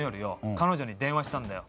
彼女に電話したんだよ。